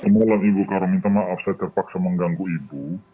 ya bagaimana pak